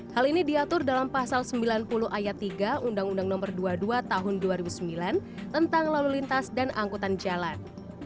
hal ini diatur dalam pasal sembilan puluh ayat tiga undang undang nomor dua puluh dua tahun dua ribu sembilan tentang lalu lintas dan angkutan jalan